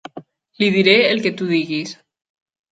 Li diré el que tu diguis.